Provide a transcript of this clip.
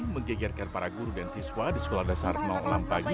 menggegerkan para guru dan siswa di sekolah dasar enam pagi